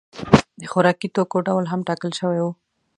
د خوراکي توکو ډول هم ټاکل شوی و.